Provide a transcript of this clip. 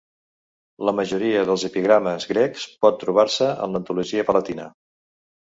La majoria dels epigrames grecs pot trobar-se en l'Antologia palatina.